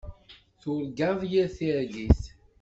Turgaḍ yir targit.